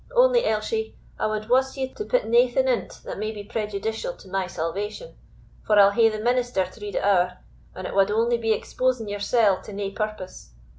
Only, Elshie, I wad wuss ye to pit naething in't that may be prejudicial to my salvation; for I'll hae the minister to read it ower, and it wad only be exposing yoursell to nae purpose.